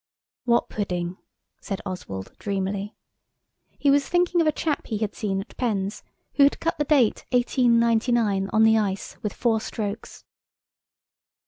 "What pudding?" said Oswald dreamily. He was thinking of a chap he had seen at Penn's who had cut the date 1899 on the ice with four strokes.